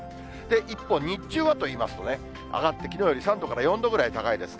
一方、日中はといいますと、上がって、きのうより３度から４度ぐらい高いですね。